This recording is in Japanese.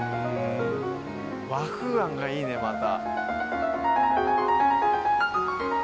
和風あんがいいねまた。